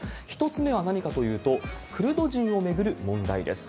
１つ目は何かというと、クルド人を巡る問題です。